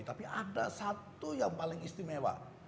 tapi ada satu yang paling istimewa